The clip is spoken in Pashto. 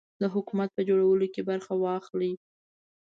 د حکومت په جوړولو کې برخه واخلي.